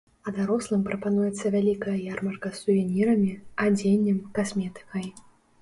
А дарослым прапануецца вялікая ярмарка з сувенірамі, адзеннем, касметыкай.